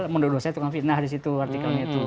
menulisnya tunggang fitnah disitu artikelnya itu